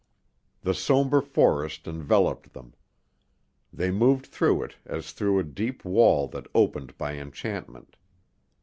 The somber forest enveloped them. They moved through it as through a deep wall that opened by enchantment.